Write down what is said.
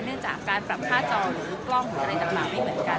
เรื่องจากการปรับค่าจอหรือกล้องหรืออะไรต่างไม่เหมือนกัน